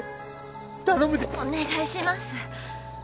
お願いします